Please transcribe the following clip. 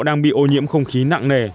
đang bị ô nhiễm không khí nặng nề